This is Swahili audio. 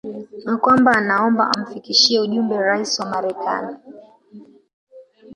na kwamba anaomba amfikishie ujumbe Rais wa Marekani